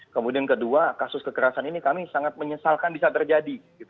kemudian kedua kasus kekerasan ini kami sangat menyesalkan bisa terjadi